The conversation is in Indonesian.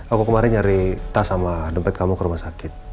aku kemarin nyari tas sama dompet kamu ke rumah sakit